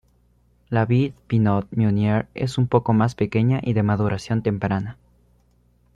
La vid pinot meunier es un poco más pequeña y de maduración temprana.